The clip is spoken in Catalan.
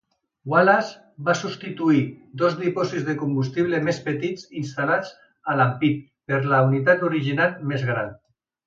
Wallace va substituir dos dipòsits de combustible més petits, instal·lats a l'ampit, per la unitat original més gran.